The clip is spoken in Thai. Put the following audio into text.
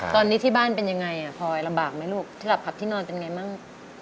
ตอนนี้ที่บ้านเป็นยังไงพลอยลำบากไหมลูกที่หลับผับที่นอนเป็นไงมั่ง